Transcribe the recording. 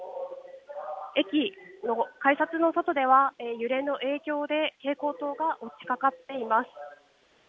駅の改札の外では、揺れの影響で蛍光灯が落ちかかっています。